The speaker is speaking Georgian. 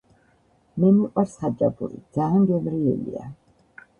მე მიყვარს ხაჭაპური, ძაან გემრიელია